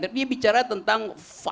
dia bicara tentang lima